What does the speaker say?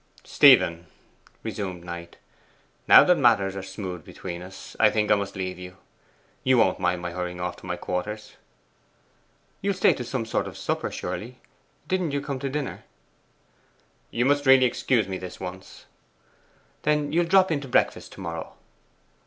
'Stephen.' resumed Knight, 'now that matters are smooth between us, I think I must leave you. You won't mind my hurrying off to my quarters?' 'You'll stay to some sort of supper surely? didn't you come to dinner!' 'You must really excuse me this once.' 'Then you'll drop in to breakfast to morrow.